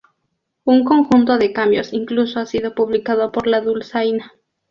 Un conjunto de cambios incluso ha sido publicado por la dulzaina!